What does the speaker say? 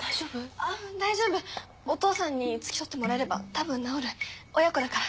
あうん大丈夫お父さんに付き添ってもらえればたぶん治る親子だから。